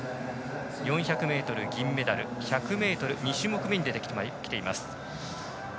４００ｍ、銀メダル１００ｍ、２種目めに出てきています。